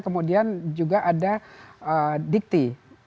kemudian juga ada dikti